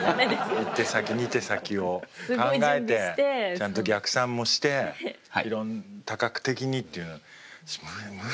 一手先二手先を考えてちゃんと逆算もして多角的にっていうのは私無理。